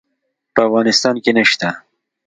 په افغانستان کې نشته